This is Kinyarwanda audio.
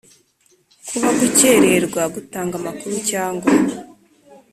Kuba gukererwa gutanga amakuru cyangwa